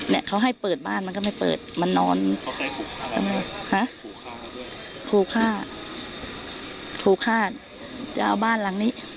เนี่ยเค้าให้เปิดบ้านมันก็ไม่เปิดมันนอนฮะครูฆ่าครูฆ่าจะเอาบ้านหลังนี้